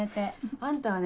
あんたはね